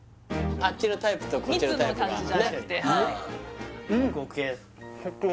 あっちのタイプとこっちのタイプが好みに近い？